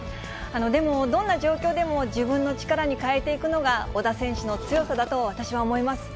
でも、どんな状況でも自分の力に変えていくのが小田選手の強さだと私は思います。